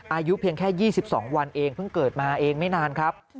อายุเพียงแค่๒๒วันเองเพิ่งเกิดมาเองไม่นานครับ